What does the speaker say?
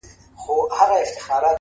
مثبت فکر د شکونو ورېځې خوروي’